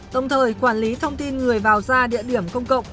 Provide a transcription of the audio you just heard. đồng thời quản lý thông tin người vào ra địa điểm công cộng